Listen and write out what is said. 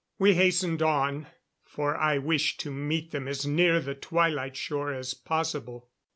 We hastened on, for I wished to meet them as near the Twilight shore as possible.